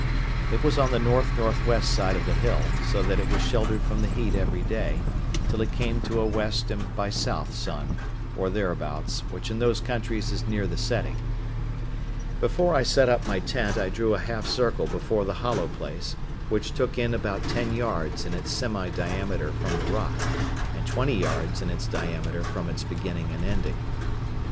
It was on the N.N.W. side of the hill; so that it was sheltered from the heat every day, till it came to a W. and by S. sun, or thereabouts, which, in those countries, is near the setting. Before I set up my tent I drew a half circle before the hollow place, which took in about ten yards in its semi diameter from the rock, and twenty yards in its diameter from its beginning and ending.